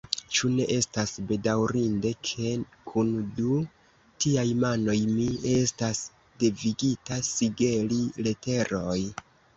Ĉu ne estas bedaŭrinde, ke, kun du tiaj manoj, mi estas devigita sigeli leteroj!